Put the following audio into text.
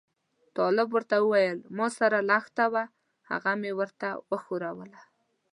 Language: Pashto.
طالب ورته وویل ما سره لښته وه هغه مې ورته وښوروله.